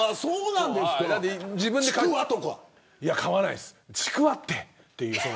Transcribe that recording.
買わないです。